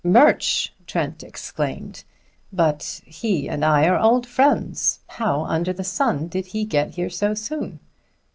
"Murch!" Trent exclaimed. "But he and I are old friends. How under the sun did he get here so soon?"